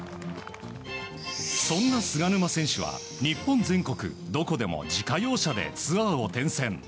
そんな菅沼選手は日本全国どこでも自家用車でツアーを転戦。